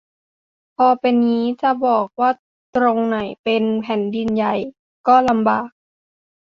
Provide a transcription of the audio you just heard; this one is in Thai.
พอเป็นงี้ จะบอกว่าตรงไหนเป็น "แผ่นดินใหญ่" ก็ลำบาก